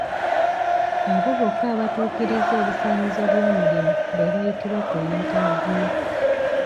Abo bokka abatuukiriza ebisaanyizo by'omulimu be bayitibwa ku yintaaviyu.